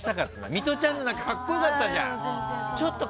ミトちゃんのは格好良かったじゃん。